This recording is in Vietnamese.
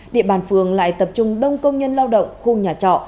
địa bàn phường lại tập trung đông công nhân lao động khu nhà trọ